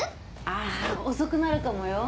あぁ遅くなるかもよ？